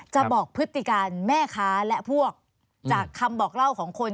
จะบอกพฤติการแม่ค้าและพวกจากคำบอกเล่าของคน